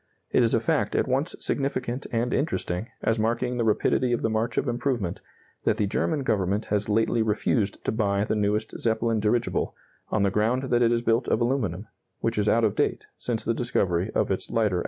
It is a fact at once significant and interesting, as marking the rapidity of the march of improvement, that the German Government has lately refused to buy the newest Zeppelin dirigible, on the ground that it is built of aluminum, which is out of date since the discovery of its lighter alloys.